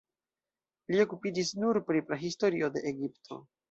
Li okupiĝis nur pri prahistorio de Egipto.